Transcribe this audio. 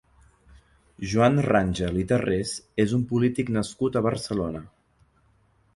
Joan Rangel i Tarrés és un polític nascut a Barcelona.